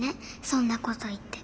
そんなこと言って。